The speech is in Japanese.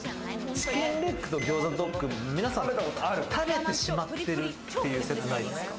チキンレッグとギョウザドッグ、皆さん食べてしまってるっていう説ないですか？